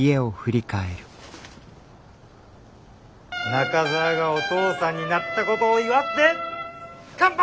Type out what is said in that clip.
・仲澤がお父さんになったことを祝って乾杯！